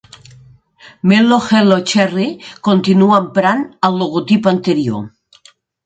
Mello Yello Cherry continua emprant el logotip anterior.